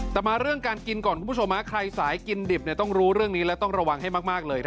แต่มาเรื่องการกินก่อนคุณผู้ชมใครสายกินดิบต้องรู้เรื่องนี้และต้องระวังให้มากเลย